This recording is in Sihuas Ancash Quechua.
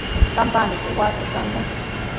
Qampaqmi kay waaka kanqa.